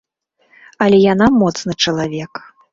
Але яна моцны чалавек.